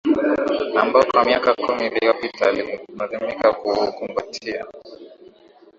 ambao kwa miaka kumi iliyopita alilazimika kuukumbatia